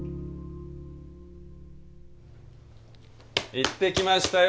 行ってきましたよ。